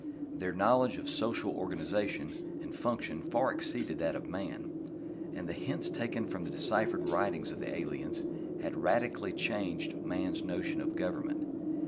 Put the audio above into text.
Their knowledge of social organization and function far exceeded that of Man, and the hints taken from the deciphered writings of the aliens had radically changed Man's notions of government.